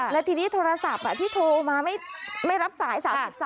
และทีนี้โทรศัพท์ที่โทรมาไม่รับสาย๓๓